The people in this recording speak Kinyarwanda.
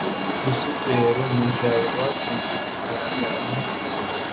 rusufero na jabo bakunze kugaragara hamwe